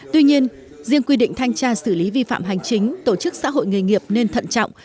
tuy nhiên riêng quy định thanh tra xử lý vi phạm hành chính tổ chức xã hội nghề nghiệp nên thận trọng